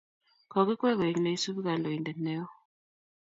Kokikwei koek neisupi kandoindet neo